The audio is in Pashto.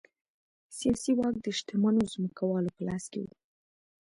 سیاسي واک د شتمنو ځمکوالو په لاس کې و